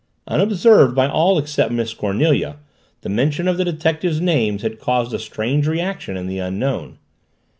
Unobserved by all except Miss Cornelia, the mention of the detective's name had caused a strange reaction in the Unknown.